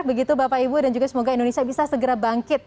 begitu bapak ibu dan juga semoga indonesia bisa segera bangkit